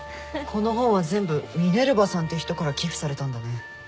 この本は全部ミネルヴァさんって人から寄付されたんだね。